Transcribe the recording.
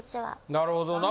なるほどな。